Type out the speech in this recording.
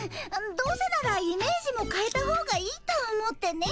どうせならイメージもかえたほうがいいと思ってね。